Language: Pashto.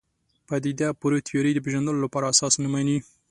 پدیده پوه تیورۍ د پېژندلو لپاره اساس نه مني.